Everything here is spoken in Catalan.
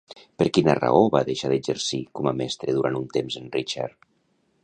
Per quina raó va deixar d'exercir com a mestre durant un temps en Richard?